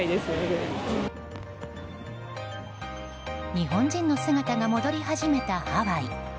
日本人の姿が戻り始めたハワイ。